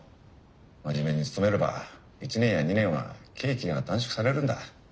真面目につとめれば１年や２年は刑期が短縮されるんだ。